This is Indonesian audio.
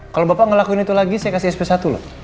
kalau bapak ngelakuin itu lagi saya kasih sp satu loh